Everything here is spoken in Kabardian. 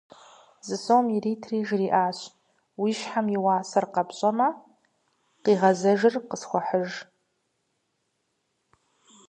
Зы сом иритри жриӏащ: «Уи щхьэм и уасэр къапщӏэмэ, къигъэзэжыр къысхуэхьыж».